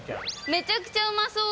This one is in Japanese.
めちゃくちゃうまそう。